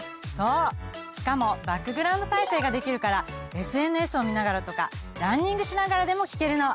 しかもバックグラウンド再生ができるからＳＮＳを見ながらとかランニングしながらでも聞けるの。